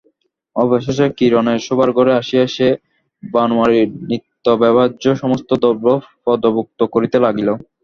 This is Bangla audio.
অবশেষে কিরণের শোবার ঘরে আসিয়া সে বনোয়ারির নিত্যব্যবহার্য সমস্ত দ্রব্য ফর্দভুক্ত করিতে লাগিল।